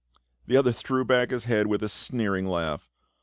The other threw back his head with a sneering laugh.